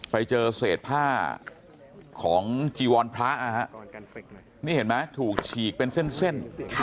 ไปเจอเศษผ้าของจีวรพระนะฮะนี่เห็นไหมถูกฉีกเป็นเส้น